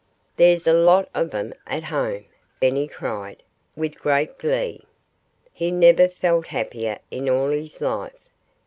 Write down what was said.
"There's a lot of 'em at home!" Benny cried with great glee. He never felt happier in all his life.